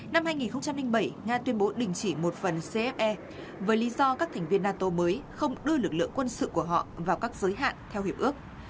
năm hai nghìn bảy nga tuyên bố đình chỉ một phần cfe với lý do các thành viên nato mới không đưa lực lượng quân sự của họ vào các giới hạn theo hiệp ước